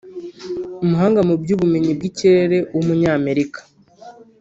umuhanga mu by’ubumenyi bw’ikirere w’umunyamerika